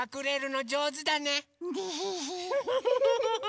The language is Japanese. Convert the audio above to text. フフフフフ。